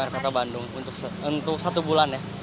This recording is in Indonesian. kota bandung untuk satu bulan ya